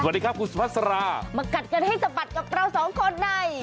สวัสดีครับคุณสุภาษามากัดกันให้สะบัดกับเราสองคนใน